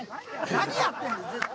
何やってんの、ずっと？